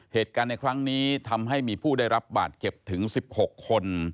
เหตุการณ์ในครั้งนี้ทำให้มีผู้ได้รับบาดเจ็บถึง๑๖คน